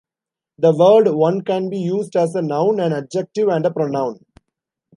The word one can be used as a noun, an adjective and a pronoun.